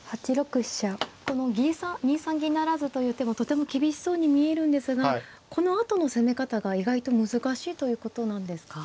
この２三銀不成という手もとても厳しそうに見えるんですがこのあとの攻め方が意外と難しいということなんですか。